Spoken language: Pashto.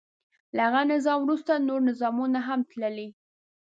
له هغه نظام وروسته نور نظامونه هم تللي.